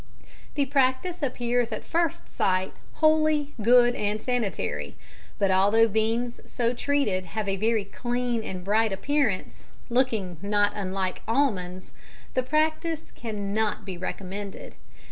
The practice appears at first sight wholly good and sanitary, but although beans so treated have a very clean and bright appearance, looking not unlike almonds, the practice cannot be recommended.